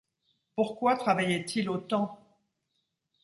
Pourquoi travaillait-il autant ?